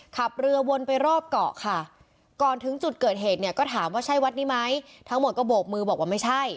ขับเรือวนไปรอบเกาะค่ะก่อนถึงจุดเกิดเหตุเนี่ยก็ถามว่าใช่วัดนี้ไหมทั้งหมดก็โบกมือบอกว่าไม่ใช่